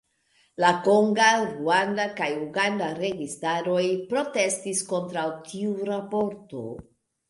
La konga, ruanda kaj uganda registaroj protestis kontraŭ tiu raporto.